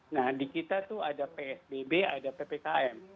nah di kita tuh ada psbb ada ppkm